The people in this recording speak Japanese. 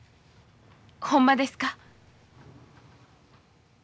ほんまですか？